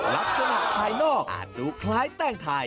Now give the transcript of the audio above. ลักษณะภายนอกอาจดูคล้ายแต้งทาย